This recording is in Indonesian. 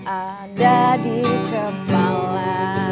ada di kepala